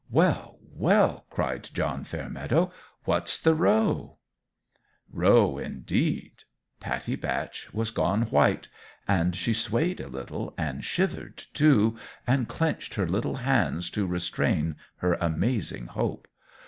"Well, well!" cried John Fairmeadow; "what's the row?" Row, indeed! Pattie Batch was gone white; and she swayed a little, and shivered, too, and clenched her little hands to restrain her amazing hope.